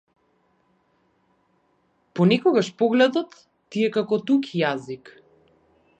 Понекогаш погледот ти е како туѓ јазик.